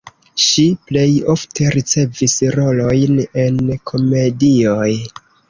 Ŝi plej ofte ricevis rolojn en komedioj.